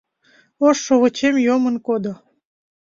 Ош шовычем йомын кодо.